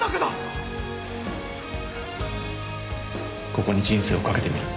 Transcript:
ここに人生を懸けてみる